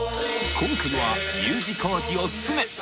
今回はＵ字工事おすすめ！